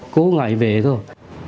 cố ngại về thôi